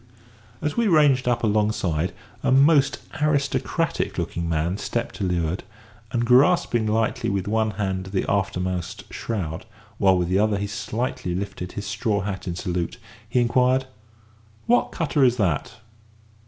As we ranged up alongside, a most aristocratic looking man stepped to leeward, and, grasping lightly with one hand the aftermost shroud, while with the other he slightly lifted his straw hat in salute, he inquired: "What cutter is that?"